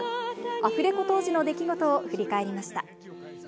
アフレコ当時の出来事を振り返りました。